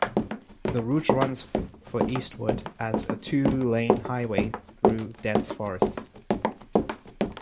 The route runs for eastward as a two-lane highway through dense forests.